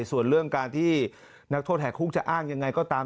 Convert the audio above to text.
ส่วนเรื่องการที่นักโทษแหกคุกจะอ้างยังไงก็ตาม